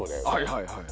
はいはい。